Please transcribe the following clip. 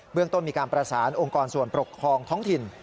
เรื่องต้นมีการประสานองค์กรส่วนปกครองท้องถิ่น